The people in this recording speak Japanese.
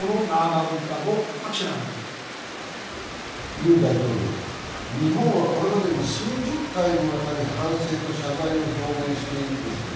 ユン大統領、日本はこれまでに数十回にわたり反省と謝罪を表明していると指摘。